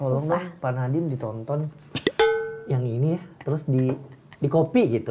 tolonglah pak nadiem ditonton yang ini ya terus di kopi gitu